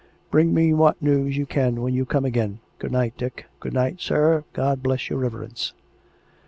Bring me what news you can when you come again. Good night, Dick." " Good night, sir. ... God bless your reverence."